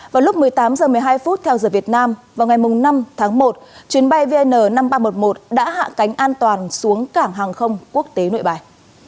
vào lúc một mươi tám h một mươi hai theo giờ việt nam vào ngày năm tháng một chuyến bay vn năm nghìn ba trăm một mươi một đã hạ cánh an toàn xuống cảng hàng không quốc tế nội bài